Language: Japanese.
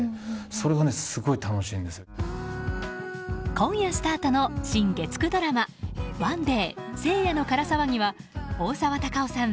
今夜スタートの新月９ドラマ「ＯＮＥＤＡＹ聖夜のから騒ぎ」は大沢たかおさん